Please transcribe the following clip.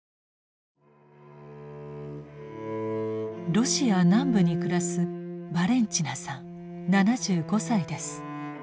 ロシア南部に暮らすバレンチナさん７５歳です。